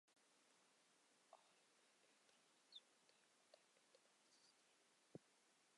Olimi ehtiromsiz yurtda odam e’tiborsizdir.